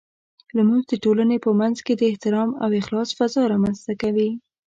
لمونځ د ټولنې په منځ کې د احترام او اخلاص فضاء رامنځته کوي.